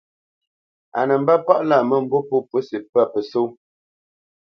Á nə mbə̄ palá mə̂mbû pô pǔsi pə́ pəsó.